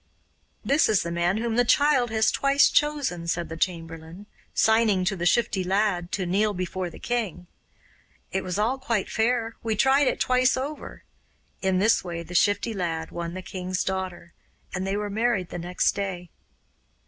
'This is the man whom the child has twice chosen,' said the chamberlain, signing to the Shifty Lad to kneel before the king. 'It was all quite fair; we tried it twice over.' In this way the Shifty Lad won the king's daughter, and they were married the next day.